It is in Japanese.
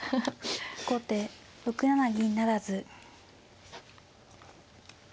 後手６七銀不成。